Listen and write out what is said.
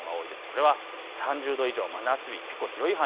これが３０度以上、真夏日の所。